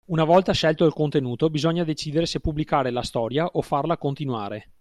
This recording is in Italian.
Una volta scelto il contenuto, bisogna decidere se pubblicare la storia o farla continuare.